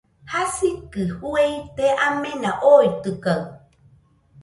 Jasikɨ fue ite amena oitɨkaɨ